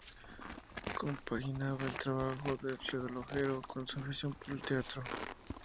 Compaginaba el trabajo de relojero con su afición por el teatro.